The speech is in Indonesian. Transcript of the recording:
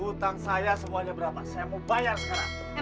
hutang saya semuanya berapa saya mau bayar sekarang